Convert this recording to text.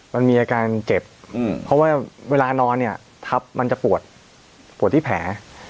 มันมีอาการเจ็บเพราะว่าเวลานอนเนี่ยทับมันจะปวดปวดที่แผล